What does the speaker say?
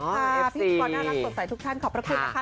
ก่อนน่ารักสนใสทุกท่านขอบพระคุณนะคะ